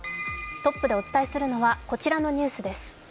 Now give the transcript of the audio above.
トップでお伝えするのはこちらのニュースです。